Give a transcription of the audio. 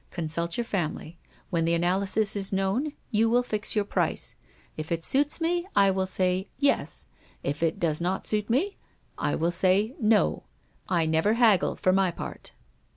Consult your family. When the analysis is known you will fix your price. If it suits me, I will say 'yes'; if it does not suit me, I will say 'no.' I never haggle for my part."